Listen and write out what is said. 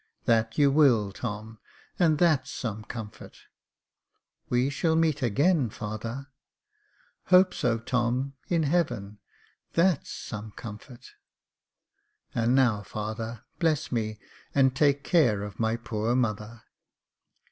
" That you will, Tom, and that's some comfort." " We shall meet again, father." " Hope so, Tom, in heaven — that's some comfort." " And now, father, bless me, and take care of my poor mother."